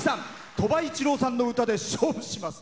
鳥羽一郎さんの歌で勝負します。